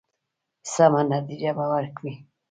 سمه نتیجه به ورکړي.